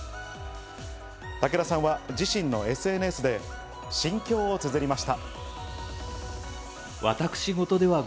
武田さんは自身のＳＮＳで心境を綴りました。